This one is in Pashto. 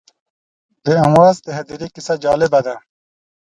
د امواس د هدیرې کیسه جالبه ده.